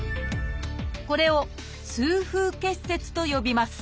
これを「痛風結節」と呼びます。